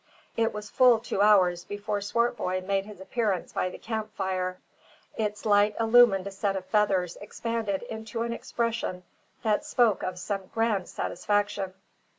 It was full two hours before Swartboy made his appearance by the camp fire. Its light illumined a set of features expanded into an expression that spoke of some grand satisfaction.